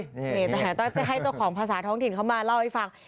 นี่แต่ก็จะให้เจ้าของภาษาท้องถิ่นเขามาเล่าให้ฟัง